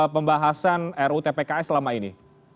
pembahasan rutpks selama ini